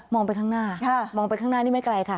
ไปข้างหน้ามองไปข้างหน้านี่ไม่ไกลค่ะ